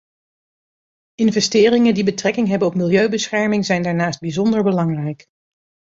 Investeringen die betrekking hebben op milieubescherming zijn daarnaast bijzonder belangrijk.